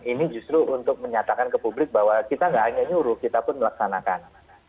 ini justru untuk menyatakan ke publik bahwa kita nggak hanya nyuruh kita pun melaksanakan